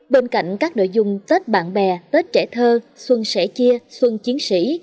bên cạnh các nội dung tết bạn bè tết trẻ thơ xuân sẻ chia xuân chiến sĩ